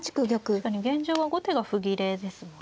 確かに現状は後手が歩切れですもんね。